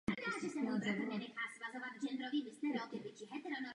Vysvětlil jste, proč je to tak, a my to chápeme.